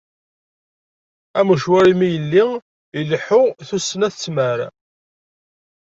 Am ucwari mi yelli, Ileḥḥu tusna tettmar.